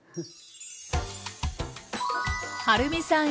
はるみさん